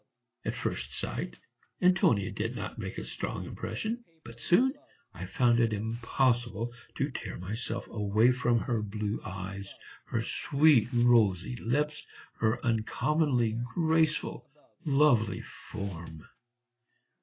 At first sight Antonia did not make a strong impression; but soon I found it impossible to tear myself away from her blue eyes, her sweet rosy lips, her uncommonly graceful, lovely form.